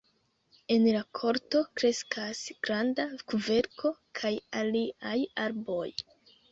En la korto kreskas granda kverko kaj aliaj arboj.